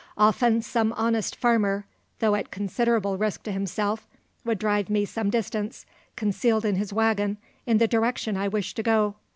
Often some honest farmer, though at considerable risk to himself, would drive me some distance, concealed in his waggon, in the direction I wished to go.